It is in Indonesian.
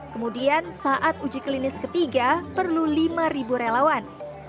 kemudian saat uji klinis ketiga perlu lima relawan